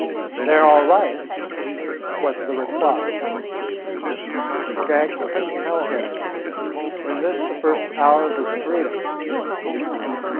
"They 're all right," was the reply. Skaggs could n't tell him, in this the first hour of his freedom.